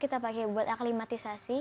kita pakai buat aklimatisasi